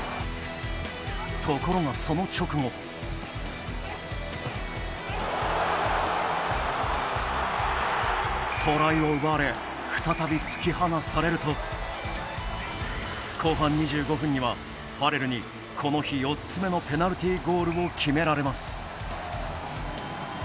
ところがその直後トライを奪われ再び突き放されると後半２５分にはファレルにこの日４つ目のペナルティーゴールを決められます。